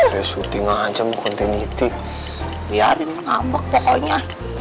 ya syuting aja mah kontiniti biarin ngambek pokoknya